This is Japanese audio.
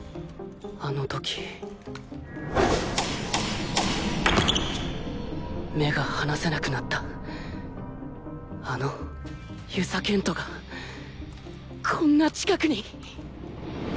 あの時目が離せなくなったあの遊佐賢人がこんな近くに！